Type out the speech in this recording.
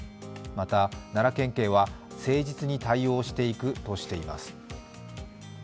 また、奈良県警は、誠実に対応していくとしています。